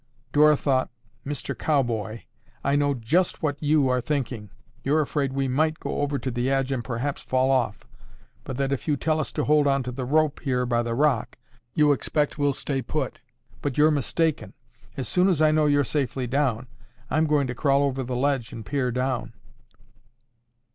Dora thought, "Mr. Cowboy, I know just what you are thinking. You're afraid we might go over to the edge and perhaps fall off, but that if you tell us to hold onto the rope here by the rock, you expect we'll stay put, but you're mistaken. As soon as I know you're safely down, I'm going to crawl over the ledge and peer down."